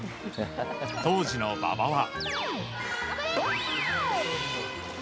当時の馬場は。